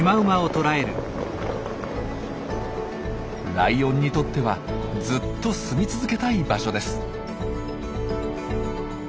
ライオンにとってはずっと住み続けたい場所です。